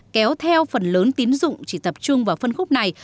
kéo theo phần lớn tín dụng chỉ tập trung vào phân khúc này